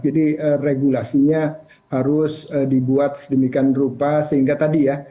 jadi regulasinya harus dibuat sedemikian rupa sehingga tadi ya